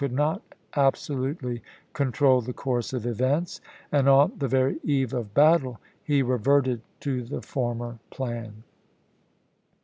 could not absolutely control the course of events, xxxi." ' Part IT., and on the very eve of battle he reverted to the p. 32. " former plan.